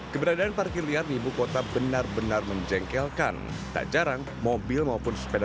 keberadaan parkir liar di ibu kota benar benar menjengkelkan tak jarang mobil maupun sepeda